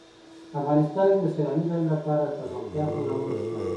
افغانستان کې د سیلانی ځایونه لپاره دپرمختیا پروګرامونه شته.